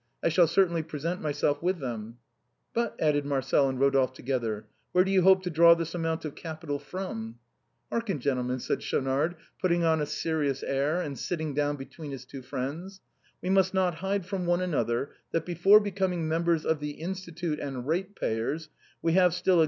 I shall certainly present myself with them." " But," added Marcel and Ilodolplie together, " where do you hope to draw this amount of capital from? "" Hearken, gentlemen," said Schaunard, putting on a serious air, and sitting down between his two friends, " we must not hide from one another that before becoming members of the Institute and ratepayers, we have still a great deal of rye bread to eat, and that daily bread is hard to get.